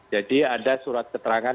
jadi ada surat keterangan